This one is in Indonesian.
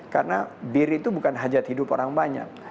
karena bir itu bukan hajat hidup orang banyak